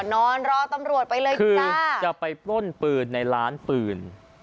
นอนรอตำรวจไปเลยจ้ะจะไปปล้นปืนในร้านปืน